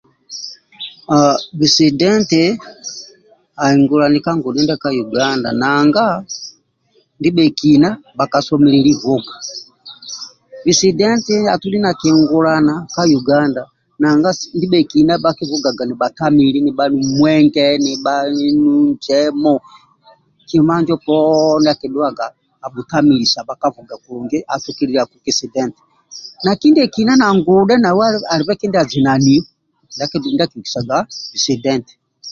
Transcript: bisidenti ahingulani ka ngudhe ndiaka uganda nanga ndibekina baka someleli vuga bisidenti atodhi na kihingulana ka uganda nanga ndibhekina bakivugaga ni batamili nibanu mwenge nibanu njemu kima njo poni akidhuwaga abutamilisa aduwa vuga kulungi atukaku kisidenti ndiekina ngudhe alibhe kindiazinaniyo ndia akibhikisaga bhisidenti